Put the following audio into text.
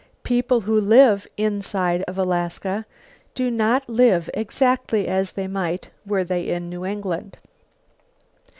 People who live "inside" of Alaska do not live exactly as they might were they in New England.